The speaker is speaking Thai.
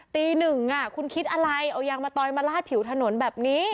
ตีหนึ่งคุณคิดอะไรเอายางมะตอยมาลาดผิวถนนแบบนี้